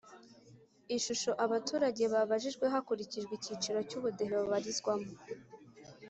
Ishusho abaturage babajijwe hakurikijwe icyiciro cy ubudehe babarizwamo